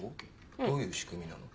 どういう仕組みなの？